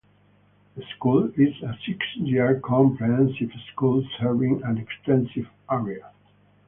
The school is a six-year comprehensive school serving an extensive area.